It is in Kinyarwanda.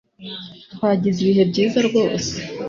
Twagize ibihe byiza rwose